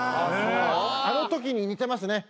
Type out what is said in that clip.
あのときに似てますね。